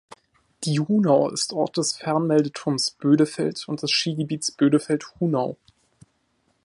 Die Hunau ist Ort des Fernmeldeturms Bödefeld und des Skigebiets Bödefeld-Hunau.